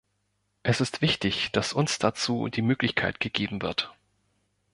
Es ist wichtig, dass uns dazu die Möglichkeit gegen wird.